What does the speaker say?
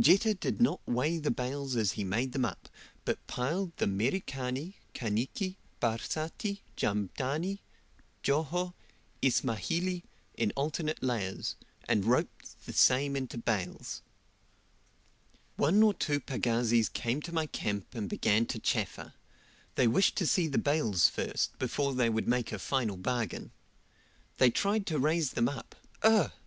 Jetta did not weigh the bales as he made them up, but piled the Merikani, Kaniki, Barsati, Jamdani, Joho, Ismahili, in alternate layers, and roped the same into bales. One or two pagazis came to my camp and began to chaffer; they wished to see the bales first, before they would make a final bargain. They tried to raise them up ugh!